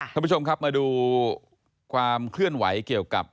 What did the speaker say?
ท่านผู้ชมครับมาดูความเคลื่อนไหวเกี่ยวกับ